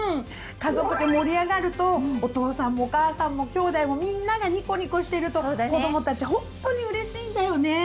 家族で盛り上がるとお父さんもお母さんもきょうだいもみんながニコニコしてると子どもたちほんとにうれしいんだよね！